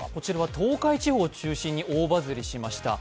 東海地方を中心に大バズリしました。